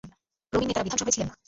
প্রবীণ নেতারা বিধানসভায় ছিলেন না।